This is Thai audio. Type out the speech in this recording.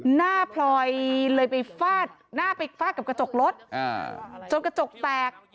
หน้าพลอยเลยไปฟาดหน้าไปฟาดกับกระจกรถจนกระจกแตก